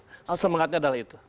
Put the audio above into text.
oh semangatnya adalah itu